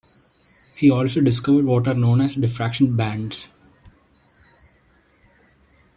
He also discovered what are known as diffraction bands.